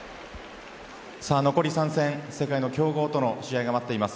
残り３戦世界の強豪との試合が待っています。